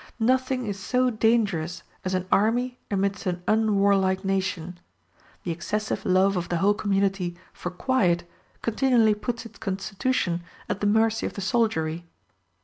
Nothing is so dangerous as an army amidst an unwarlike nation; the excessive love of the whole community for quiet continually puts its constitution at the mercy of the soldiery.